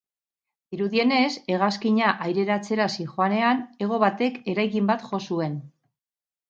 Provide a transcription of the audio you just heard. Dirudienez, hegazkina aireratzera zihoanean hego batek eraikin bat jo zuen.